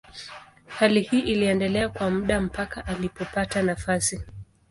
Hali hii iliendelea kwa muda mpaka alipopata nafasi.